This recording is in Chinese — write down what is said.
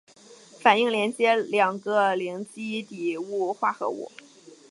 反应连接了两个羰基底物化合物。